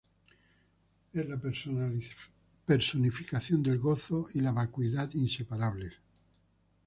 Es la personificación del gozo y la vacuidad inseparables.